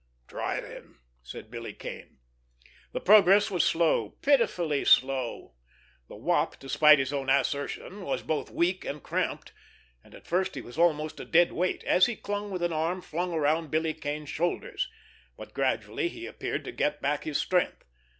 "Try, then," said Billy Kane. The progress was slow, pitifully slow. The Wop, despite his own assertion, was both weak and cramped, and at first he was almost a dead weight, as he clung with an arm flung around Billy Kane's shoulders; but gradually he appeared to get back his strength.